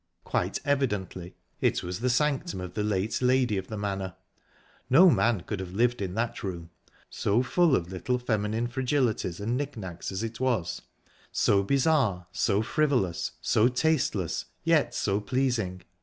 Quite evidently it was the sanctum of the late lady of the manor no man could have lived in that room, so full of little feminine fragilities and knick knacks as it was, so bizarre, so frivolous, so tasteless, yet so pleasing.